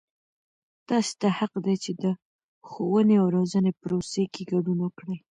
تاسې ته حق دی چې د ښووني او روزنې پروسې کې ګډون وکړئ.